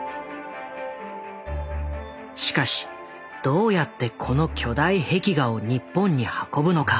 しかしどうやってこの巨大壁画を日本に運ぶのか。